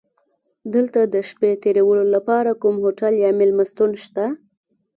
دلته د شپې تېرولو لپاره کوم هوټل یا میلمستون شته؟